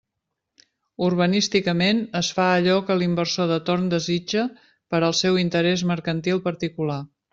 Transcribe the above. Urbanísticament es fa allò que l'inversor de torn desitja per al seu interés mercantil particular.